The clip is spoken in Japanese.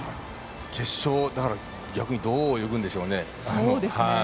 決勝、逆にどう泳ぐんでしょうね。